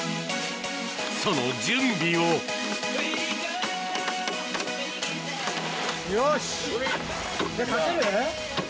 その準備をよし。